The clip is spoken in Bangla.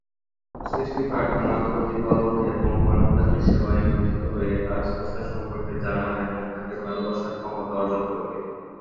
সৃষ্টি প্রার্থনা, প্রতিফলন, এবং মানবজাতির সেবায় নিয়োজিত হয়ে তাঁর স্রষ্টা সম্পর্কে জানার এবং তাকে ভালোবাসার ক্ষমতা অর্জন করবে।